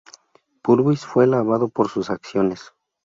Purvis fue alabado por sus acciones.